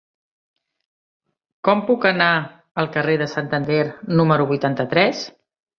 Com puc anar al carrer de Santander número vuitanta-tres?